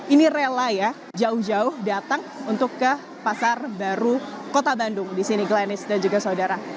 ini rela ya jauh jauh datang untuk ke pasar baru kota bandung di sini glanis dan juga saudara